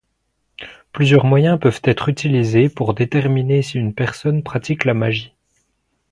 Plusieurs moyens peuvent être utilisés pour déterminer si une personne pratique la magie.